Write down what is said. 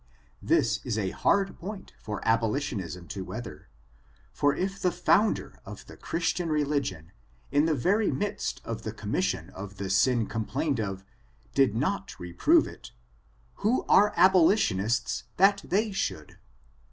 This is a hard point for abolitionism to weather; for if the founder of the Christian religion, in the very midst of the commission of the sin complained of, did not reprove it, who are abolitionists, that they should?